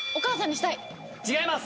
違います。